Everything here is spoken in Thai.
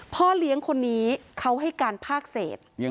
พ่อเลี้ยงคนนี้เขาให้การภาคเศษ